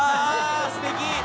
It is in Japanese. すてき。